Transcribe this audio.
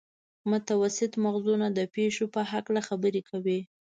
متوسط مغزونه د پېښو په هکله خبرې کوي.